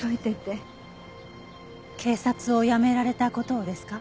警察を辞められた事をですか？